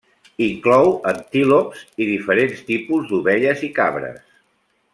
Inclou antílops i diferents tipus d'ovelles i cabres.